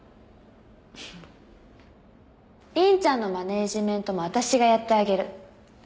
凛ちゃんのマネジメントも私がやってあげる。